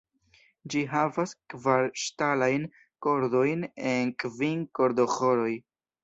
Ĝi havas kvar ŝtalajn kordojn en kvin kordoĥoroj.